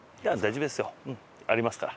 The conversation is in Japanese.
ありますから。